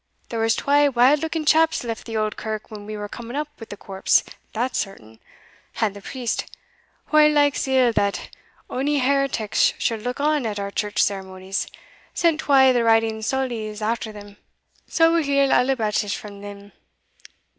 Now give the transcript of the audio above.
There was twa wild looking chaps left the auld kirk when we were coming up wi' the corpse, that's certain; and the priest, wha likes ill that ony heretics should look on at our church ceremonies, sent twa o' the riding saulies after them; sae we'll hear a' about it frae them."